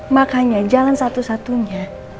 makanya jalan satu satunya